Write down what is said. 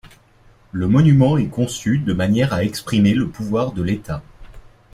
Le monument est conçu de manière à exprimer le pouvoir de l’État.